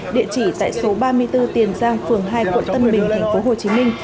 địa chỉ tại số ba mươi bốn tiền giang phường hai quận tân bình tp hồ chí minh